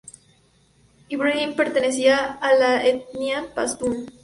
Ibrahim pertenecía a la etnia pastún.